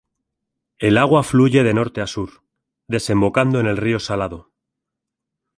El agua fluye de norte a sur, desembocando en el río Salado.